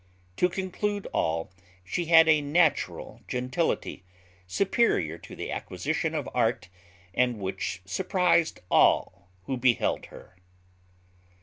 To conclude all, she had a natural gentility, superior to the acquisition of art, and which surprized all who beheld her.